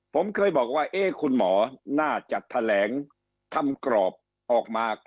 ผมเคยบอกว่าคุณหมอน่าจะแถลงทำกรอบออกมา